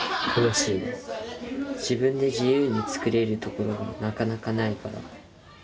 自分で自由に作れるところがなかなかないから。